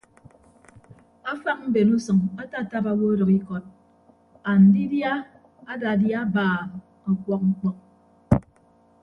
Afañ mben usʌñ atatap owo ọdʌk ikọt andidia adadia abaam ọkuọk ñkpọk.